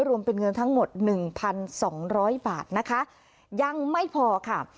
รวมเป็นเงินทั้งหมดหนึ่งพันสองร้อยบาทนะคะยังไม่พอค่ะ